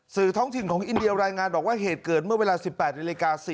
ท้องถิ่นของอินเดียรายงานบอกว่าเหตุเกิดเมื่อเวลา๑๘นาฬิกา